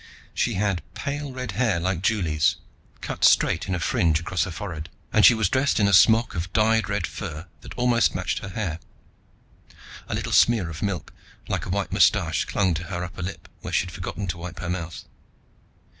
She had pale red hair like Juli's, cut straight in a fringe across her forehead, and she was dressed in a smock of dyed red fur that almost matched her hair. A little smear of milk like a white moustache clung to her upper lip where she had forgotten to wipe her mouth.